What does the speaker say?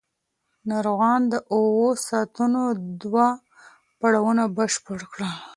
ناروغان د اوو ساعتونو دوه پړاوونه بشپړ کړل.